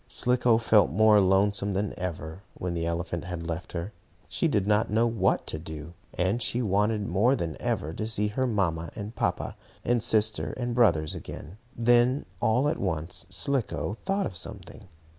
Slicko felt more lonesome than ever when the elephant had left her. She did not know what to do, and she wanted, more than ever, to see her mamma and papa, and sister and brothers again. Then, all at once, Slicko thought of something.